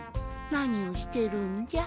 なにをしてるんじゃ？